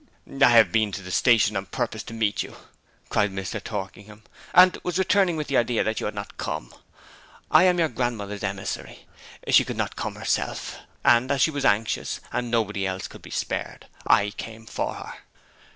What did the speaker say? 'I have been to the station on purpose to meet you!' cried Mr. Torkingham, 'and was returning with the idea that you had not come. I am your grandmother's emissary. She could not come herself, and as she was anxious, and nobody else could be spared, I came for her.'